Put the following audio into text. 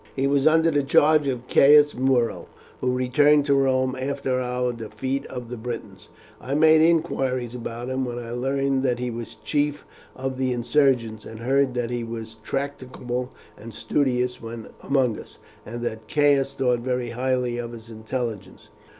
He was under the charge of Caius Muro, who returned to Rome after our defeat of the Britons. I made inquiries about him, when I learned that he was chief of the insurgents, and heard that he was tractable and studious when among us, and that Caius thought very highly of his intelligence."